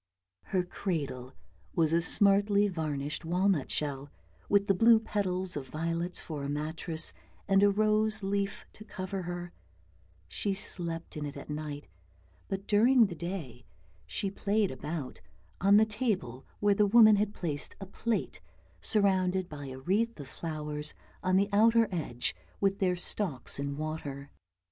Her cradle was a smartly varnished walnut shell, with the blue petals of violets for a mattress and a rose leaf to cover her; she slept in it at night, but during the day she played about 68 4 r Ch€ COP<N 3 THUMBELISA 69 on the table where the woman had placed a plate, surrounded by a wreath of flowers on the outer edge with their stalks in water.